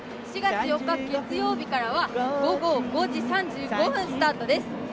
４月４日月曜日からは午後５時３５分からスタートです。